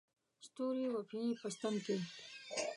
ستوري وپېي په ستن کې